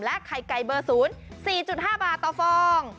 และไข่ไก่เบอร์ศูนย์๔๕บาทต่อฟอง